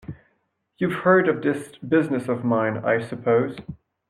You've heard of this business of mine, I suppose?